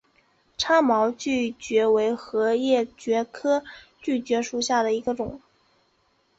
叉毛锯蕨为禾叶蕨科锯蕨属下的一个种。